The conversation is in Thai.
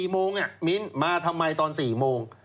๔โมงมิ้นมาทำไมตอน๔โมง